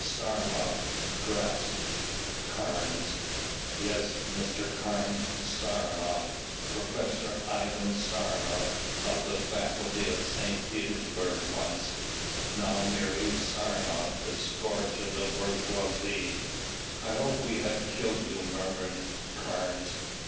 "Saranoff!" gasped Carnes. "Yes, Mr. Carnes, Saranoff. Professor Ivan Saranoff, of the faculty of St. Petersburg once. Now merely Saranoff, the scourge of the bourgeois." "I hoped we had killed you," murmured Carnes.